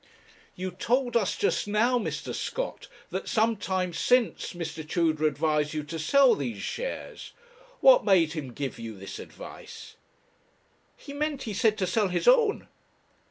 You told us just now, Mr. Scott, that some time since Mr. Tudor advised you to sell these shares what made him give you this advice?' 'He meant, he said, to sell his own.'